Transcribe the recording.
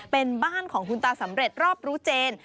เป็นบ้านของคุณตาสำเร็จรอบรู้เจน